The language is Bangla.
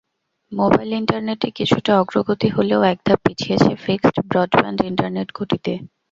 মোবাইল ইন্টারনেটে কিছুটা অগ্রগতি হলেও এক ধাপ পিছিয়েছে ফিক্সড ব্রডব্যান্ড ইন্টারনেট গতিতে।